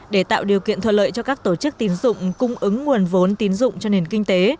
để tạo điều kiện thuận lợi cho các tổ chức tín dụng cung ứng nguồn vốn tín dụng cho nền kinh tế